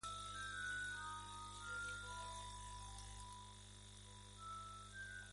Incluso se enfrentó a Juggernaut pero fue gravemente herido.